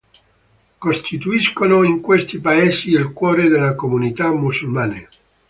Costituiscono in questi paesi il cuore delle comunità musulmane.